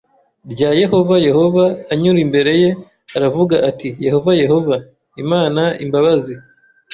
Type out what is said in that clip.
rya Yehova Yehova anyura imbere ye aravuga ati Yehova Yehova Imana imbabazi